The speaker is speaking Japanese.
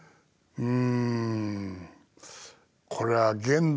うん。